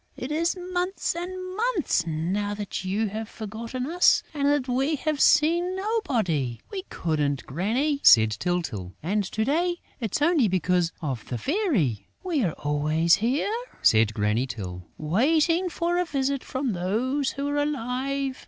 It is months and months now that you have forgotten us and that we have seen nobody...." "We couldn't, Granny," said Tyltyl, "and to day it's only because of the Fairy...." "We are always here," said Granny Tyl, "waiting for a visit from those who are alive.